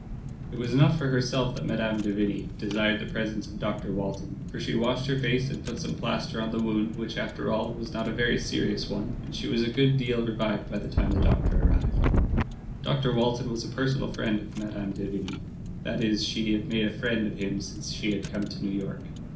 *' It was not for herself that Mme. de Vigny desired the presence of Dr. Walton, for she washed her face, and put some plaster on the wound, which, after all, was not a very serious one, and she was a good deal revived by the time the doctor arrived. Dr. Walton was a personal friend of Mme. de Vigny, that is she had made a friend of him since she had come to New York.